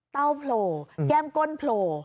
โผล่แก้มก้นโผล่